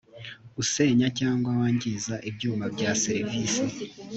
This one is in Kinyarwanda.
usenya cyangwa wangiza ibyuma bya serivisi